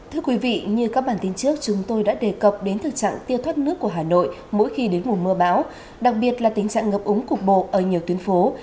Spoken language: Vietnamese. thưa quý vị như các bản tin trước chúng tôi đã đề cập đến thực trạng tiêu thoát nước của hà nội mỗi khi đến mùa mưa bão đặc biệt là tình trạng ngập úng cục bộ ở nhiều tuyến phố